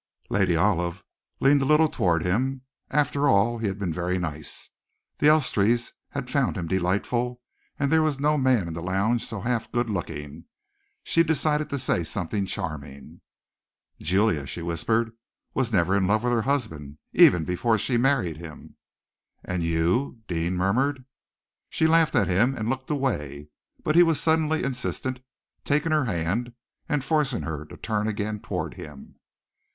Lady Olive leaned a little towards him. After all, he had been very nice. The Elstrees had found him delightful, and there was no man in the lounge half so good looking. She decided to say something charming. "Julia," she whispered, "was never in love with her husband, even before she married him." "And you?" Deane murmured. She laughed at him and looked away, but he was suddenly insistent, taking her hand, and forcing her to turn again towards him.